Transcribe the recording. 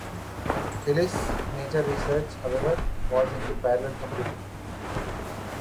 Hillis' major research, however, was into parallel computing.